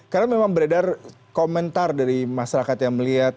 karena memang beredar komentar dari masyarakat yang melihat